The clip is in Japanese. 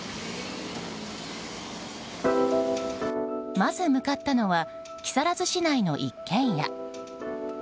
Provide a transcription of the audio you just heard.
まず向かったのは木更津市内の一軒家。